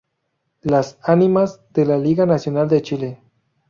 Las Ánimas de la Liga Nacional de Chile.